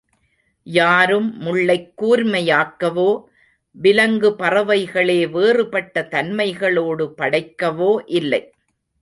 யாரும் முள்ளைக் கூர்மையாக்கவோ, விலங்கு பறவைகளே வேறுபட்ட தன்மைகளோடு படைக்கவோ இல்லை.